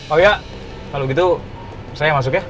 oh iya kalau gitu saya yang masuk ya